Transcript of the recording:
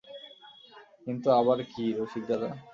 কিন্তু আবার কী রসিকদাদা?